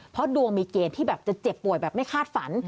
เพราะดวงมีเกณฑ์ที่แบบจะเจ็บป่วยแบบไม่คาดฝัน